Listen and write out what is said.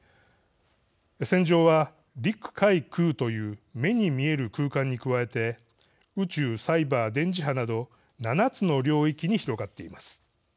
戦場は、陸、海、空という目に見える空間に加えて宇宙、サイバー、電磁波など７つの領域に広がっています。